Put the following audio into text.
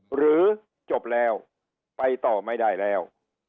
หรือจบแล้วไปต่อไม่ได้แล้ว